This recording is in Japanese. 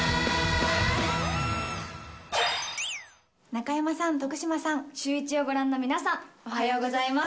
中山さん、徳島さん、シューイチをご覧の皆さん、おはようございます。